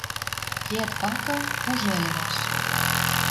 Кеӓт пакы — кужы ӹлӹмӓш.